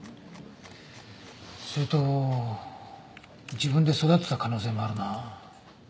すると自分で育てた可能性もあるな。